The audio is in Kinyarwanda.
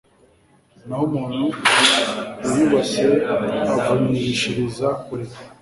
naho umuntu wiyubashye avunyishiriza kure